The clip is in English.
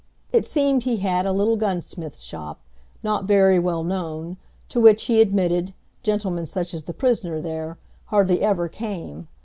It seemed he had a little gunsmith's shop, not very well known, to which, he admitted, gentlemen such as the prisoner there, hardly ever came.